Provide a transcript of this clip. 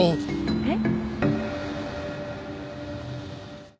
えっ？